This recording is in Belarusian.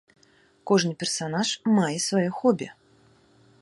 Кожны персанаж мае сваё хобі.